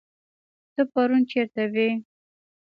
ته پرون چيرته وي